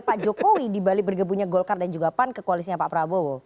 pak jokowi di balik bergebunya golkar dan juga pan ke koalisnya pak prabowo